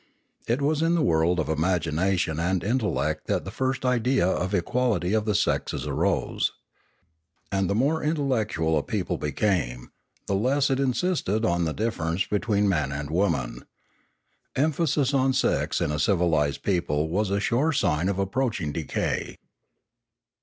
It was in the world of imagination and intel lect that the first idea of equality of the sexes arose. And the more intellectual a people became, the less it Pioneering 449 insisted on the difference between man and woman. Emphasis on sex in a civilised people was a sure sign of approaching decay.